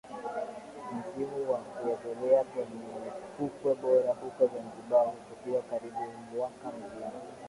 Msimu wa kuogelea kwenye fukwe bora huko Zanzibar huchukua karibu mwaka mzima